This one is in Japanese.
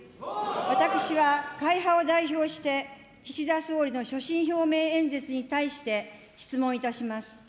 私は、会派を代表して、岸田総理の所信表明演説に対して質問いたします。